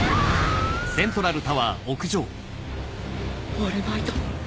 オールマイト